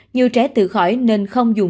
nhiều trẻ tự khỏi nên không dùng